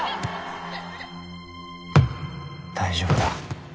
大丈夫だ。